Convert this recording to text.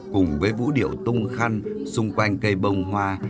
cùng với vũ điệu tung khăn xung quanh cây bông hoa